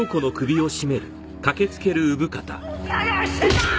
何をしてんだー！